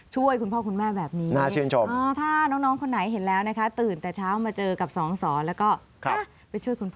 ช่วยคุณพ่อคุณแม่ดีกว่าเช้าหน่อย